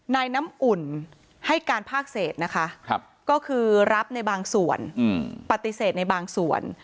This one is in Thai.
น้ำอุ่นให้การภาคเศษนะคะก็คือรับในบางส่วนปฏิเสธในบางส่วน